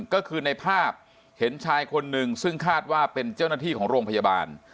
ก็คือในภาพเห็นชายคนหนึ่งซึ่งคาดว่าเป็นเจ้าหน้าที่ของโรงพยาบาล